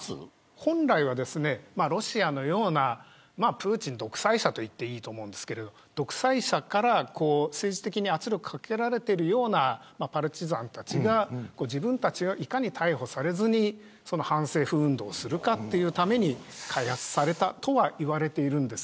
本来はロシアのような独裁者から政治的に圧力をかけられているようなパルチザンたちが自分たちがいかに逮捕されずに反政府運動をするかというために開発されたとは言われています。